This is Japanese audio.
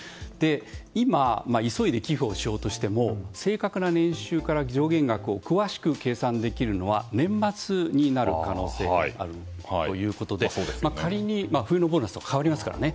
今、急いで寄付をしようとしても正確な年収から上限額を詳しく計算できるのは年末になる可能性があるということで冬のボーナス変わりますからね。